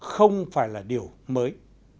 không phải là điều mới